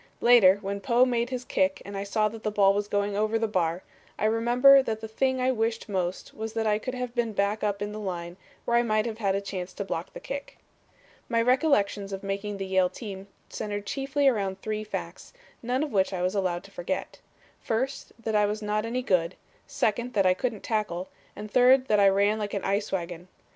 Later, when Poe made his kick and I saw that the ball was going over the bar, I remember that the thing I wished most was that I could have been up in the line where I might have had a chance to block the kick. "My recollections of making the Yale team centered chiefly around three facts, none of which I was allowed to forget. First, that I was not any good, second that I couldn't tackle, and third that I ran like an ice wagon.